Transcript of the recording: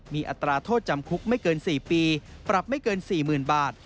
มีอัตราโทษจำคุกไม่เกิน๔ปีปรับไม่เกิน๔๐๐๐บาท